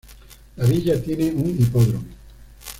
La villa tiene un hipódromo.